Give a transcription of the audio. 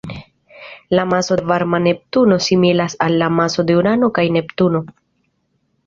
La maso de varma Neptuno similas al la maso de Urano kaj Neptuno.